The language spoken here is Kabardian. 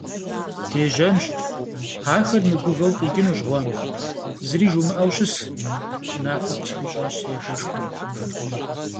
Дежьэнщ, ахэр мыгувэу къикӀынущ гъуэм, зыри жумыӀэу щыс, - унафэ къысхуищӀащ си адэшхуэм.